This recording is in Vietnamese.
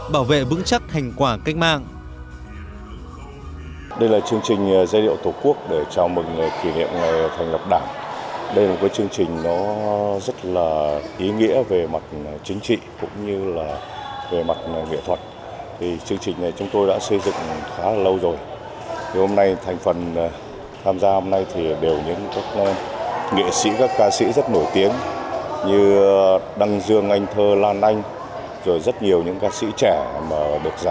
bảo vệ vững chắc hành quả cách mạng